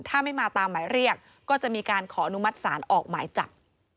ถ้าไม่มาตามหมายเรียกก็จะมีการขออนุมัติศาลออกหมายจับ